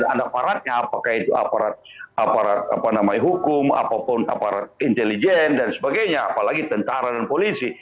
ada aparatnya apakah itu aparat hukum apapun aparat intelijen dan sebagainya apalagi tentara dan polisi